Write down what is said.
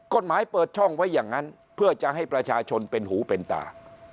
กฎหมายเปิดช่องไว้อย่างนั้นเพื่อจะให้ประชาชนเป็นหูเป็นตา